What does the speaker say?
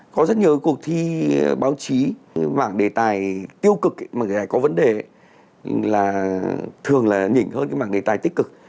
có rất nhiều cuộc thi báo chí mảng đề tài tiêu cực mảng đề tài có vấn đề là thường là nhỉnh hơn cái mảng đề tài tích cực